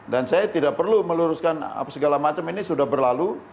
dan saya tidak perlu meluruskan segala macam ini sudah berlalu